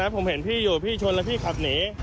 ผมเห็นพี่อยู่พี่ชนแล้วพี่ขับหนี